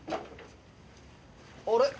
あれ？